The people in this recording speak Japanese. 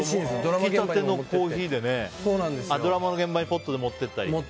ひきたてのコーヒードラマの現場に持っていったり。